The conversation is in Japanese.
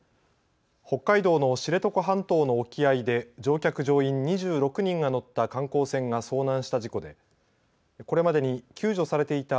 北海道の知床半島の沖合で乗客・乗員２６人が乗った観光船が遭難した事故でこれまでに救助されていた